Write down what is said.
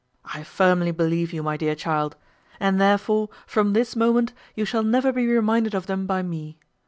I firmly believe you, my dear child; and therefore, from this moment, you shall never be reminded of them by me.